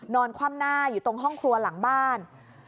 คว่ำหน้าอยู่ตรงห้องครัวหลังบ้าน